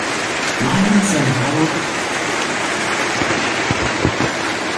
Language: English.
Lyons then followed and settled in Saint Francisville.